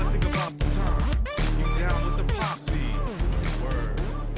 apa ya pak